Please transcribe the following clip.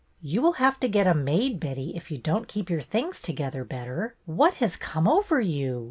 You will have to get a maid, Betty, if you don't keep your things together better. What has come over you?